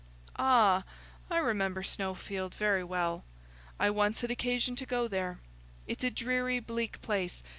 "Ah, I remember Snowfield very well; I once had occasion to go there. It's a dreary bleak place.